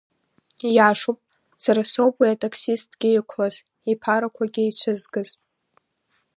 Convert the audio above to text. Ииашоуп, сара соуп уи атаксистгьы иқәлаз, иԥарақәагьы ицәызгаз.